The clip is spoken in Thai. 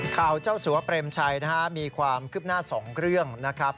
เจ้าสัวเปรมชัยนะฮะมีความคืบหน้า๒เรื่องนะครับ